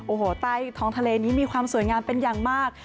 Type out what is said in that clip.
โอ้โหใต้ท้องทะเลนี้มีความสวยงามเป็นอย่างมาก